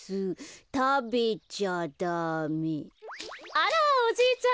あらおじいちゃん。